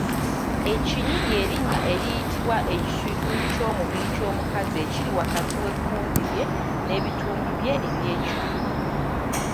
E kinnyi ly'erinnya eriyitibwa ekitundu ky’omubiri gw’omukazi ekiri wakati w’ekkundi lye n’ebitundu bye ebyekyama.